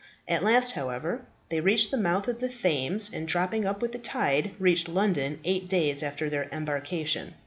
At last, however, they reached the mouth of the Thames, and dropping up with the tide, reached London eight days after their embarcation.